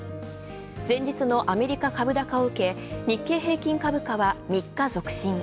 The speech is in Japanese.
前日のアメリカ株高をうけ、日経平均株価は３日続伸。